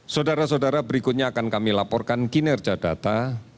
saudara saudara berikutnya akan kami laporkan kinerja data